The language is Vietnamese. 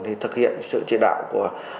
thì thực hiện sự trị đạo của